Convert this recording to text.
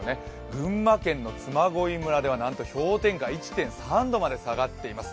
群馬県の嬬恋村ではなんと氷点下１．３度まで下がっています。